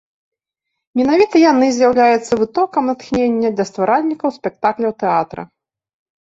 Менавіта яны з'яўляюцца вытокам натхнення для стваральнікаў спектакляў тэатра.